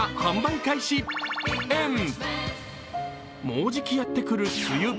もうじきやってくる梅雨。